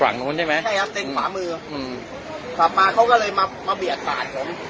ฝั่งของคุณใช่ไหมใช่ครับเล็กขวามืออืมขับมาเขาก็เลยมามาเบียดสาดผม